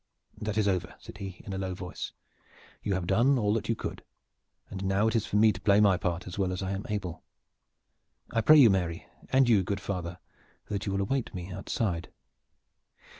"That is over," said he in a low voice. "You have done all that you could, and now it is for me to play my part as well as I am able. I pray you, Mary, and you, good father, that you will await me outside."